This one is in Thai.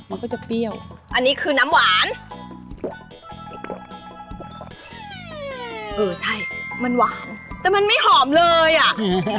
เออใช่มันหวานแต่มันไม่หอมเลยอะ